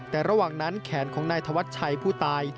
แต่ระหว่างนั้นแขนของนายธวัชชัยผู้ตาย